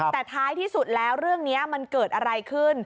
แต่ท้ายที่สุดแล้วเรื่องนี้มันเกิดอะไรขึ้น